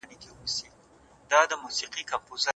که زده کوونکی لټون وکړي دا تعليم پياوړی کوي.